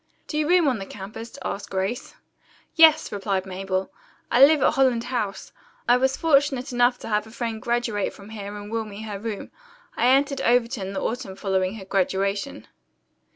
"Do you room on the campus?" asked Grace. "Yes," replied Mabel. "I live at Holland House. I was fortunate enough to have a friend graduate from here and will me her room. I entered Overton the autumn following her graduation."